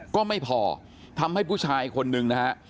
ก็ไม่พอทำให้ผู้ชายคนนึงนะฮะ